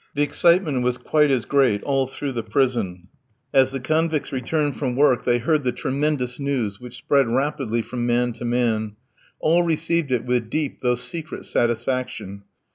The excitement was quite as great all through the prison; as the convicts returned from work, they heard the tremendous news, which spread rapidly from man to man; all received it with deep, though secret satisfaction.